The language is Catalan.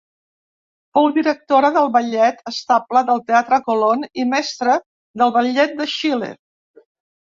Fou directora del Ballet estable del Teatre Colón i mestre del ballet de Xile.